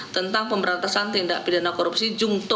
tentang pemberantasan tindak pidana korupsi jungto